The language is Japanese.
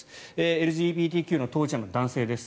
ＬＧＢＴＱ＋の当事者の男性です。